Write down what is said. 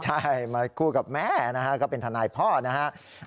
ใช่มาคู่กับแม่ก็เป็นธนายพ่อนะฮะ